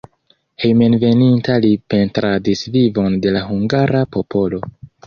Hejmenveninta li pentradis vivon de la hungara popolo.